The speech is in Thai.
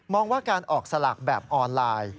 ว่าการออกสลากแบบออนไลน์